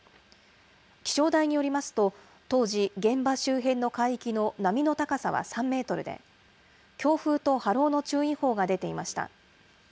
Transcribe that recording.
気象台によりますと、当時、現場周辺の海域の波の高さは３メートルで、強風と波浪の注意報が出ていました。